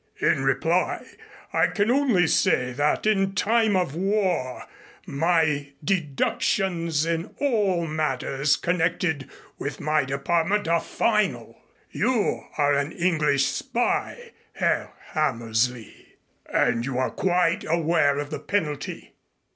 In reply I can only say that in time of war my deductions in all matters connected with my department are final. You are an English spy, Herr Hammersley, and you are quite aware of the penalty."